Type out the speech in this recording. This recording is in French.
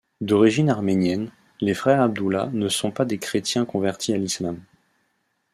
D'origine arménienne, les frères Abdullah ne sont pas des chrétiens convertis à l'islam.